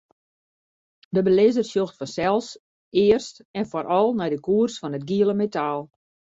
De belizzer sjocht fansels earst en foaral nei de koers fan it giele metaal.